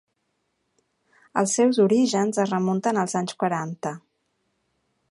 Els seus orígens es remunten als anys quaranta.